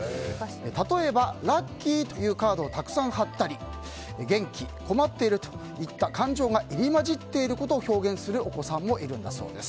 例えば、「らっきー！」というカードをたくさん貼ったり「げんき」、「こまっている」といった感情が入り混じっていることを表現するお子さんもいるんだそうです。